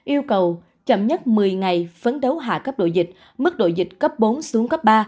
yêu cầu chậm nhất một mươi ngày phấn đấu hạ cấp đội dịch mức độ dịch cấp bốn xuống cấp ba